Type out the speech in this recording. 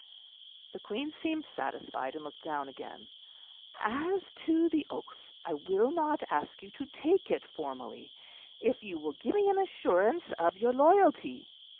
The Queen seemed satisfied, and looked down again. "As to the oath, I will not ask you to take it formally, if you will give me an assurance of your loyalty."